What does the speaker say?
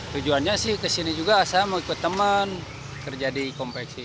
tujuannya sih kesini juga saya mau ikut teman kerja di kompleksi